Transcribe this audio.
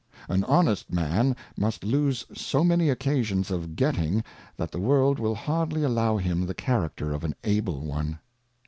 An honest Man must lose so many Occasions of Getting, that the World will hardly allow him the Character of an Able one.